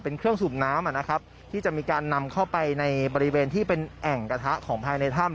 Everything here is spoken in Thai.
เป็นเครื่องสูบน้ำนะครับที่จะมีการนำเข้าไปในบริเวณที่เป็นแอ่งกระทะของภายในถ้ำ